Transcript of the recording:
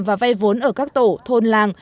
và vay vốn ở các tổ thôn làng